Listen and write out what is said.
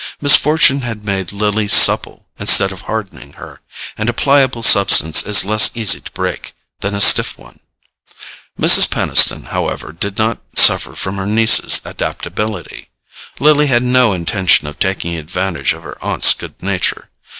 Misfortune had made Lily supple instead of hardening her, and a pliable substance is less easy to break than a stiff one. Mrs. Peniston, however, did not suffer from her niece's adaptability. Lily had no intention of taking advantage of her aunt's good nature.